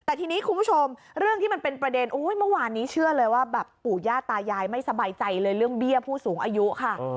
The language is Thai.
แต่ทีนี้คุณผู้ชมเรื่องที่มันเป็นประเด็นเมื่อวานนี้เชื่อเลยว่าแบบปู่ย่าตายายไม่สบายใจเลยเรื่องเบี้ยผู้สูงอายุค่ะ